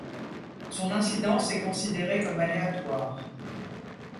Son incidence est considérée comme aléatoire.